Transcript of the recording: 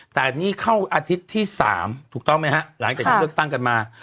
แต่นี่เข้าอาทิตย์ที่๓ถูกต้องไหมฮะหลังจากที่เลือกตั้งกันมา